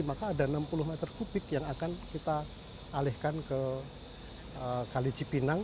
maka ada enam puluh meter kubik yang akan kita alihkan ke kali cipinang